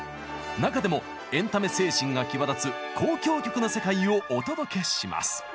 中でもエンタメ精神が際立つ「交響曲」の世界をお届けします。